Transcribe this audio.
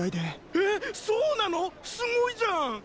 えそうなの⁉すごいじゃん！